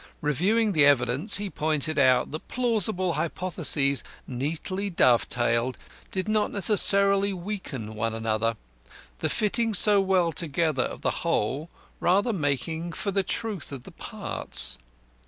Reviewing the evidence, he pointed out that plausible hypotheses neatly dove tailed did not necessarily weaken one another, the fitting so well together of the whole rather making for the truth of the parts.